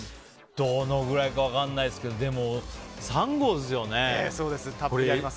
どのぐらいか分からないですけどでも、３合ですよね。